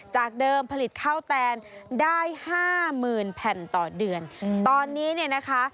จากเดิมผลิตข้าวแตนได้ห้าหมื่นแผ่นต่อเดือนตอนนี้เนี่ยนะคะ